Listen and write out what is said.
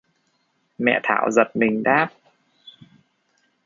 Mẹ Thảo giật mình đáp